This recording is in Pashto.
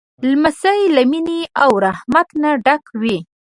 لمسی له مینې او رحمت نه ډک وي.